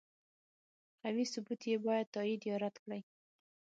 قوي ثبوت یې باید تایید یا رد کړي.